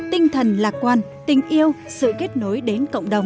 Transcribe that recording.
tinh thần lạc quan tình yêu sự kết nối đến cộng đồng